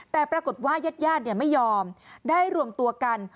แต่ปรากฏว่ายัดไม่ยอมได้รวมตัวกัน